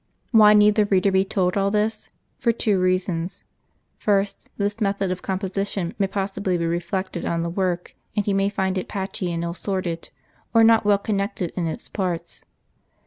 Why need the reader be told all this 'i For two reasons : First, this method of composition may possibly be reflected on the work ; and he may find it patchy and ill assorted, or not well connected in its parts.